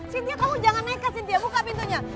cynthia kamu jangan nekat buka pintunya